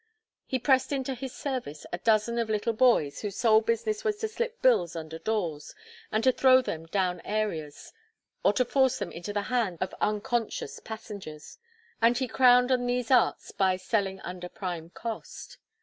He pressed into his service a dozen of little boys, whose sole business was to slip bills under doors, and to throw them down areas, or to force them into the hands of unconscious passengers; and he crowned an these arts by selling under prime cost.